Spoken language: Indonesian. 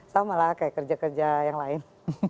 sama lah kayak kerja kerja yang lain